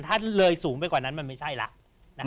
ถ้าเลยสูงไปกว่านั้นมันไม่ใช่แล้ว